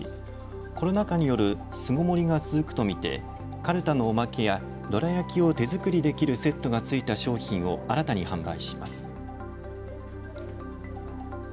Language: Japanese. コロナ禍による巣ごもりが続くと見てかるたのおまけややどら焼きを手作りできるセットがついた商品を新たに販売します。